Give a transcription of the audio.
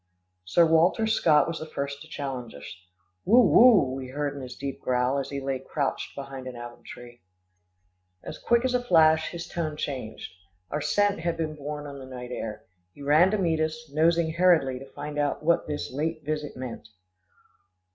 Sir Walter Scott was the first to challenge us. "Woo, woo," we heard in his deep growl, as he lay crouched behind an apple tree. As quick as a flash, his tone changed. Our scent had been borne on the night air. He ran to meet us, nosing hurriedly, to find out what this late visit meant.